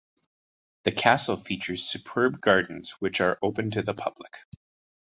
The castle features superb gardens, which are open to the public.